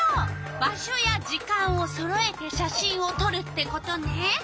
場所や時間をそろえて写真をとるってことね。